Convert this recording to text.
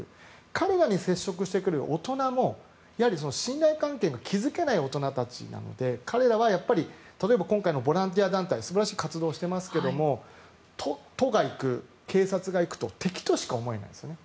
彼らに接触してくる大人も信頼関係を築けない大人たちなので彼らは例えば、今回のボランティア団体素晴らしい活動してますが都が行く、警察が行くと敵としか思えないんですよね。